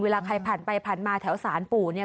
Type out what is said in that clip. เวลาใครผ่านไปผ่านมาแถวสารปู่เนี่ย